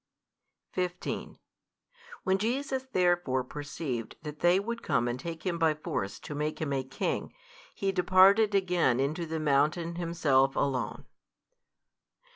15 When Jesus therefore perceived that they would come and take Him by force to make Him a King, He departed again into the mountain Himself Alone.